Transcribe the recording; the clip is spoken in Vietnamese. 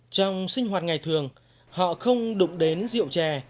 trong sinh hoạt ngày thường họ không đụng đến diệu trẻ